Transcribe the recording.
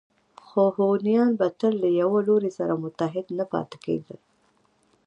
خو هونیان به تل له یوه لوري سره متحد نه پاتې کېدل